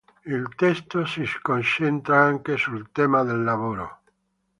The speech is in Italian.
Il testo si concentra anche sul tema del lavoro.